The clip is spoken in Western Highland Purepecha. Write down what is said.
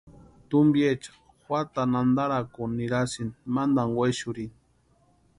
Tumpiecha juatani antarakuni nirasïnti mantani wexurhini.